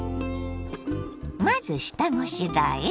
まず下ごしらえ。